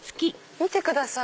見てください。